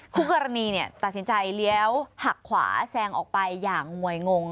คู่กรณีตัดสินใจเลี้ยวหักขวาแซงออกไปอย่างมวยงง